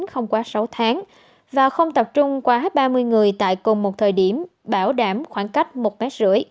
không quá sáu tháng và không tập trung quá ba mươi người tại cùng một thời điểm bảo đảm khoảng cách một mét rưỡi